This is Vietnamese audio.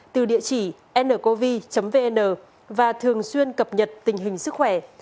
từ địa chỉ ncov vn và thường xuyên cập nhật tình hình sức khỏe